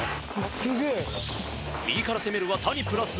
右から攻めるは谷プラス。